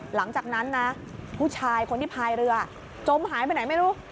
หลังจากนั้นนะผู้ชายคนที่พายเรือจมหายไปไหนไม่รู้